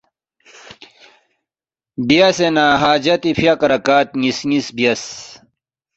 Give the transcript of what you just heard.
بیاسے نہ حاجتی فیاق رکعت نِ٘یس نِ٘یس بیاس،